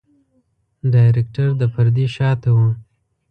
ډايرکټر د پردې شاته وي.